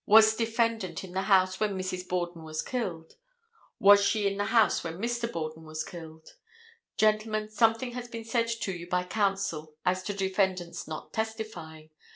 Was defendant in the house when Mrs. Borden was killed? Was she in the house when Mr. Borden was killed? Gentlemen, something has been said to you by counsel as to defendant's not testifying.